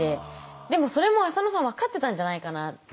でもそれも浅野さん分かってたんじゃないかなと思って。